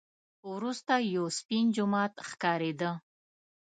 وروسته یو سپین جومات ښکارېده.